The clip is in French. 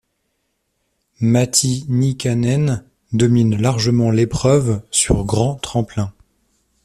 Matti Nykänen domine largement l'épreuve sur grand tremplin.